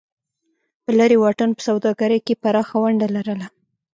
په لرې واټن په سوداګرۍ کې یې پراخه ونډه لرله.